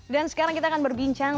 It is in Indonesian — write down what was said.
dan sekarang kita akan berbincang